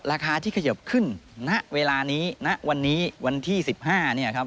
ราคาที่เขยิบขึ้นณเวลานี้ณวันนี้วันที่๑๕เนี่ยครับ